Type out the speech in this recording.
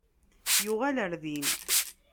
Yuɣal ar din.